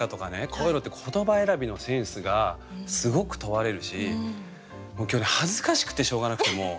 こういうのって言葉選びのセンスがすごく問われるし今日ね恥ずかしくてしょうがなくてもう。